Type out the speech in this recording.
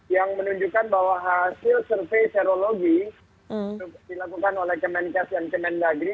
yang menunjukkan bahwa hasil survei serologi dilakukan oleh kemenkes dan kemendagri